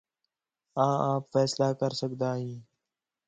آں آپ فیصلہ کر سڳدا ھیں